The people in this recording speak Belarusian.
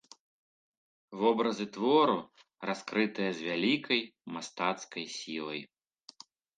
Вобразы твору раскрытыя з вялікай мастацкай сілай.